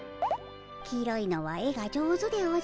黄色いのは絵が上手でおじゃる。